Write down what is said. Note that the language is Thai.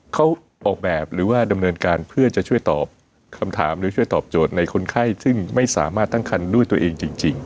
เขาออกแบบหรือว่าดำเนินการเพื่อจะช่วยตอบคำถามหรือช่วยตอบโจทย์ในคนไข้ซึ่งไม่สามารถตั้งคันด้วยตัวเองจริง